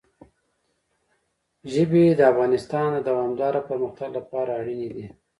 ژبې د افغانستان د دوامداره پرمختګ لپاره اړین دي.